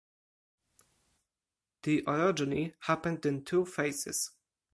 The orogeny happened in two phases.